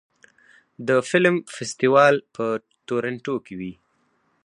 د فلم فستیوال په تورنټو کې وي.